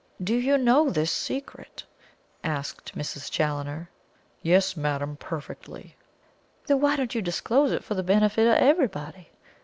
"Do you know this secret?" asked Mrs. Challoner. "Yes, madame perfectly." "Then why don't you disclose it for the benefit of everybody?"